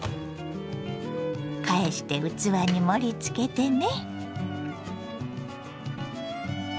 返して器に盛りつけてね。